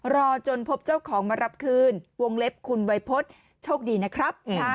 รอจนพบเจ้าของมารับคืนวงเล็บคุณวัยพฤษโชคดีนะครับ